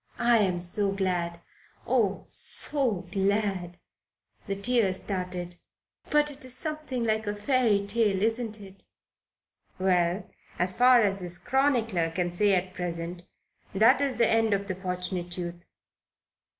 "I am so glad. Oh, so glad." The tears started. "But it is something like a fairy tale, isn't it?" Well, as far as his chronicler can say at present, that is the end of the Fortunate Youth.